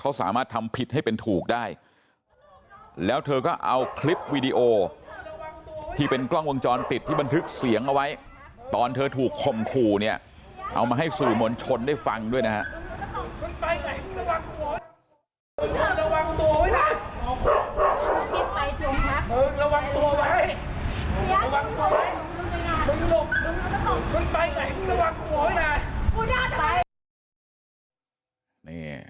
ว่างวงจรติดที่บันทึกเสียงเอาไว้ตอนเธอถูกคมคู่เนี่ยเอามาให้สู่หมวนชนได้ฟังด้วยนะฮะ